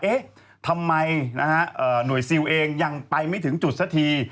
เอ๊ะทำไมนะฮะหน่วยซิลเองยังไปไม่ถึงจุดสักที